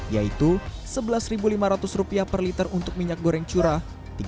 yaitu rp sebelas lima ratus per liter untuk minyak goreng curah